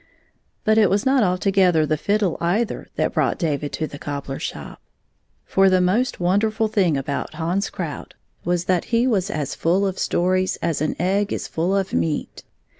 But it was not altogether the fiddle either that brought David to the cobbler shop. For the most wonderful thing about Hans Krout was that he i6 was as full of stories as an egg is full of meat.